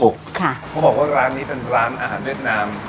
เขาบอกว่าร้านนี้เป็นร้านอาหารเวียดนาม